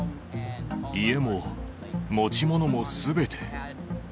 家も持ち物もすべて。